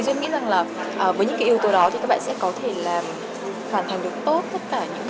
tôi nghĩ rằng là với những cái yếu tố đó thì các bạn sẽ có thể là hoàn thành được tốt tất cả những